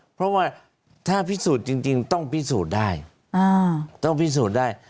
เพราะว่าถ้าพิสูจน์จริงต้องพิสูจน์ได้ต้องพิสูจน์ได้